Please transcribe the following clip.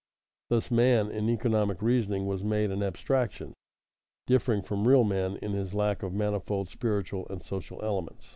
Thus man in economic reasoning was made an abstraction, differing from real men in his lack of manifold spiritual and social elements.